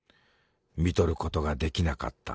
みとることができなかった。